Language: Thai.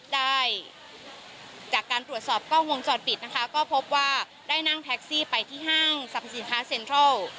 ได้จากการตรวจสอบกล้องวงจรปิดนะคะก็พบว่าได้นั่งแท็กซี่ไปที่ห้างสรรพสินค้าเซ็นทรัล